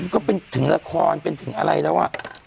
ก็เป็นถึงละครเป็นถึงอะไรแล้ว